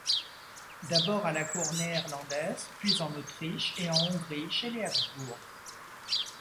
D'abord à la cour néerlandaise, puis en Autriche et en Hongrie chez les Habsbourg.